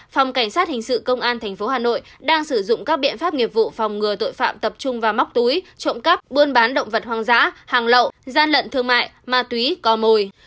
phòng cảnh sát hình sự công an tp hà nội đang sử dụng các biện pháp nghiệp vụ phòng ngừa tội phạm tập trung vào móc túi trộm cắp buôn bán động vật hoang dã hàng lậu gian lận thương mại ma túy cò mồi